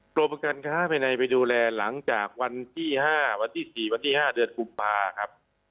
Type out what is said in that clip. กรมการค้าภายในไปดูแลหลังจากวันที่๕วันที่๔วันที่๕เดือนกุมภาครับ